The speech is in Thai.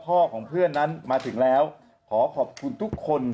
ของเพื่อนนั้นมาถึงแล้วขอขอบคุณทุกคน